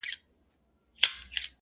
زه د ښار ښايستې لكه كمر تر ملا تړلى يم ـ